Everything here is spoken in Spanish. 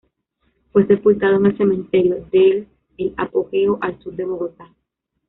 Fue sepultado en el cementerio del El Apogeo al sur de Bogotá.